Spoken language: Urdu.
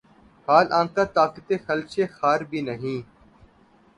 حال آنکہ طاقتِ خلشِ خار بھی نہیں